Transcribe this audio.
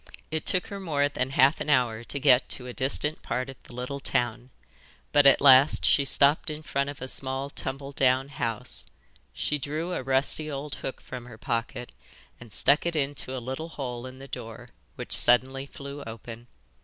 It took her more than half an hour to get to a distant part of the little town, but at last she stopped in front of a small tumble down house. She drew a rusty old hook from her pocket and stuck it into a little hole in the door, which suddenly flew open.